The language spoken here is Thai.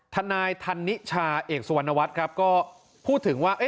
ทันนายทันนิชาเอกสวนวัฒน์ครับก็พูดถึงว่าเอ๊ะ